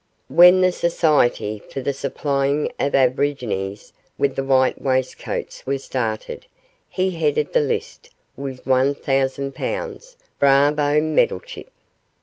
When the Society for the Supplying of Aborigines with White Waistcoats was started he headed the list with one thousand pounds bravo, Meddlechip!